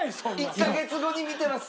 １カ月後に見てます。